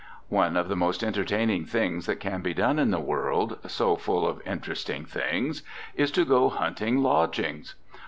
One of the most entertaining things that can be done in the world, so full of interesting things, is to go hunting lodgings.